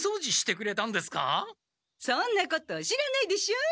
そんなこと知らないでしょ？